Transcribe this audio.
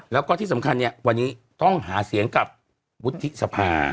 แล้วก็ที่สำคัญเนี่ยวันนี้ต้องหาเสียงกับวุฒิสภา